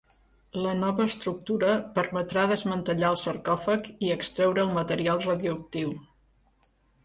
La nova estructura permetrà desmantellar el sarcòfag i extreure el material radioactiu.